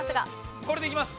これでいきます。